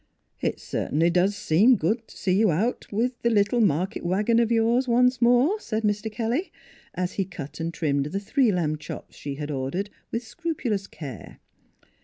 " It cert'nly does seem good t' see you out with that little market wagon o' yourn once more," said Mr. Kelly, as he cut and trimmed the three lamb chops she had ordered, with scrupulous care.